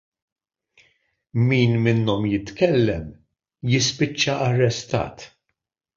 Min minnhom jitkellem jispiċċa arrestat.